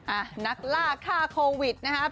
อ่ะนักล่าฆ่าโควิดนะครับ